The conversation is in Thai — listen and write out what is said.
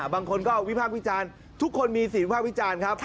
บางคนก็วิพากษ์วิจารณ์ทุกคนมีเสียงวิภาควิจารณ์ครับ